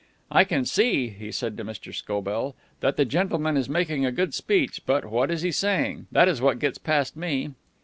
"I can see," he said to Mr. Scobell, "that the gentleman is making a good speech, but what is he saying? That is what gets past me."